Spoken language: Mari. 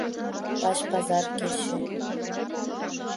Лач пазар кече.